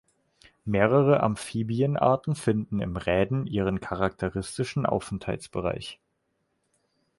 Mehrere Amphibienarten finden im Rhäden ihren charakteristischen Aufenthaltsbereich.